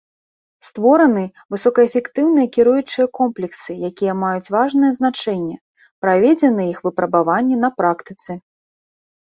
Створаны высокаэфектыўныя кіруючыя комплексы, якія маюць важнае значэнне, праведзены іх выпрабаванні на практыцы.